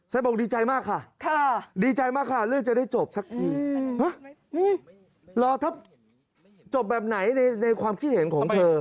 บอกดีใจมากค่ะดีใจมากค่ะเรื่องจะได้จบสักทีรอถ้าจบแบบไหนในความคิดเห็นของเธอ